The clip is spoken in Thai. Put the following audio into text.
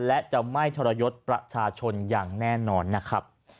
และจะไม่ทรยศประชาชนอย่างแน่นอนนะครับ